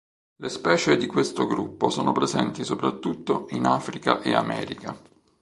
Le specie di questo gruppo sono presenti soprattutto in Africa e America.